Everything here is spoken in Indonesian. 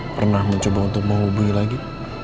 pernah mencoba untuk menghubungi lagi